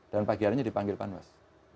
dan pagi aranya dipanggil panwas